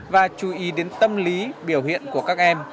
và chú ý đến tâm lý biểu hiện của các em